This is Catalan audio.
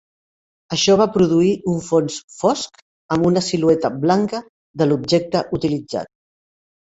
Això va produir un fons fosc amb una silueta blanca del objecte utilitzat.